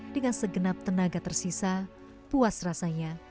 dengan segenap tenaga tersisa puas rasanya